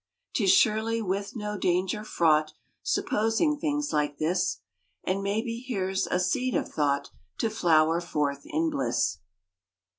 [ 60] Tis surely with no danger fraught Supposing things like this And maybe here s a seed of thought To flower forth in bliss.